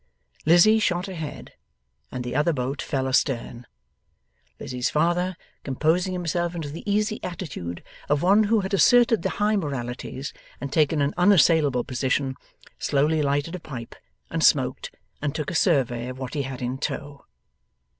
Lizzie shot ahead, and the other boat fell astern. Lizzie's father, composing himself into the easy attitude of one who had asserted the high moralities and taken an unassailable position, slowly lighted a pipe, and smoked, and took a survey of what he had in tow.